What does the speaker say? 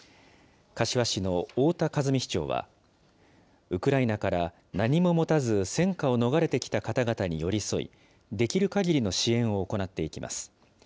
柏市の太田和美市長は、ウクライナから何も持たず戦禍を逃れてきた方々に寄り添い、できるかぎりの支援を行っていきます。